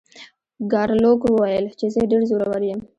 ګارلوک وویل چې زه ډیر زورور یم.